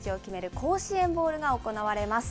甲子園ボウルが行われます。